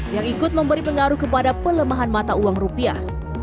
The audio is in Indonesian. yang ikut memberi pengaruh kepada pelemahan mata uang rupiah